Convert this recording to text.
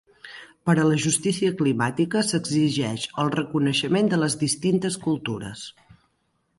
Per a la justícia climàtica s'exigeix el reconeixement de les distintes cultures.